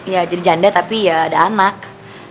ya jadi janda tapi ya ada anak